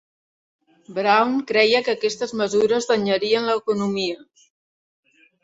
Brown creia que aquestes mesures danyarien l'economia.